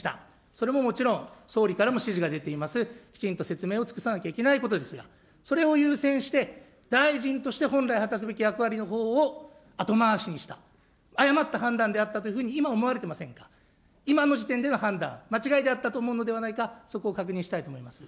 それももちろん、総理からも指示が出ています、きちんと説明を尽くさなければいけないことですが、それを優先して、大臣として本来果たすべき役割のほうを後回しにした、誤った判断であったというふうに今、おもわれてませんか今の時点での判断、間違いであったと思うのではないか、そこを確認したいと思います。